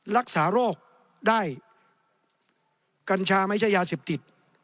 รักษาโรคได้กัญชาไม่ใช่ยาเสพติด